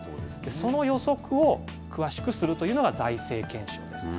その予測を詳しくするというのが財政検証です。